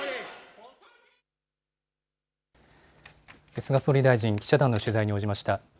菅総理大臣、記者団の取材に応じました。